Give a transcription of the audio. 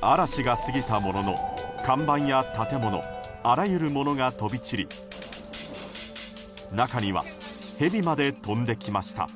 嵐が過ぎたものの、看板や建物あらゆるものが飛び散り中にはヘビまで飛んできました。